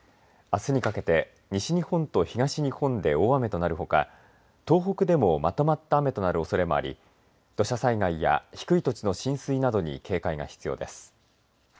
あすにかけて西日本と東日本で大雨となるほか、東北でもまとまった雨となるおそれもあり土砂災害や低い土地の浸水などに警戒が必要です。